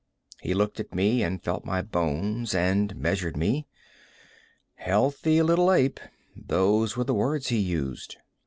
He looked at me and felt my bones and measured me. 'Healthy little ape' those were the words he used.